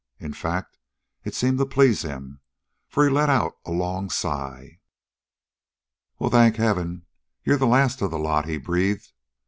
In fact, it seemed to please him, for he let out a long sigh. "Well, thank Heaven, you're the last of the lot!" he breathed.